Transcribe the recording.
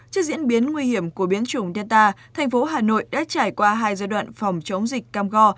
trước diễn biến nguy hiểm của biến chủng thiên tai thành phố hà nội đã trải qua hai giai đoạn phòng chống dịch cam go